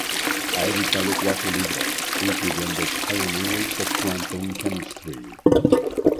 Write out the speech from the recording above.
Ha editado cuatro libros, incluyendo "Pioneers of Quantum Chemistry.